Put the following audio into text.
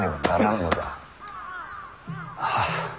はあ。